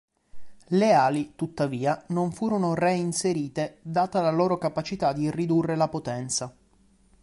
Le ali, tuttavia, non furono re-inserite, data la loro capacità di ridurre la potenza.